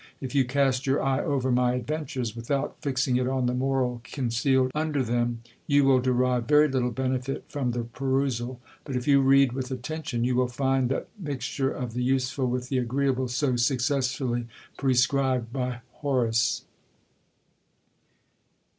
If you cast your eye over my adventures without fixing it on the moral concealed under them, you will derive very little benefit from the perusal : but if you read with attention you will find that mixture of the useful with the agreeable, so successfully prescribed by Horace.